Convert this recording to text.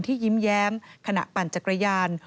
ยิ้มแย้มขณะปั่นจักรยาน